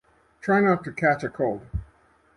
Try not to catch a cold.